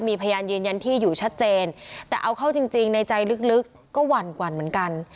มีพยานยืนยันที่อยู่ชัดเจนแต่เอาเข้าจริงในใจลึกก็หวั่นเหมือนกัน